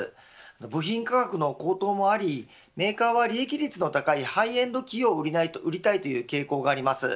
部品価格の高騰もありメーカーは利益率の高いハイエンド機を売りたいという傾向があります。